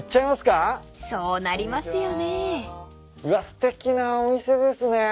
すてきなお店ですね。